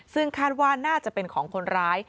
ซึ่งคาดว่าน่าจะเป็นของคนร้าย